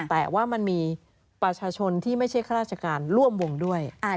แต่ว่ามันมีประชาชนที่ไม่ใช่ข้าราชการร่วมวงด้วย